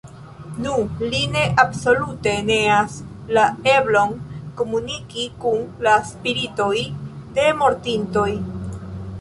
Nu, li ne absolute neas la eblon komuniki kun la spiritoj de mortintoj.